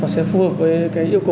và sẽ phù hợp với cái yêu cầu